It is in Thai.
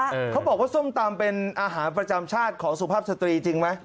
เขาบอกว่าส้มตำเป็นอาหารประจำชาติของสุภาพสตรีจริงไหม